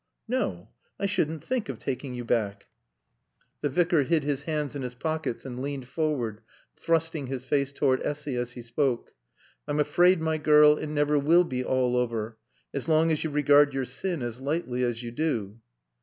No. I shouldn't think of taking you back." The Vicar hid his hands in his pockets and leaned forward, thrusting his face toward Essy as he spoke. "I'm afraid, my girl, it never will be all over, as long as you regard your sin as lightly as you do."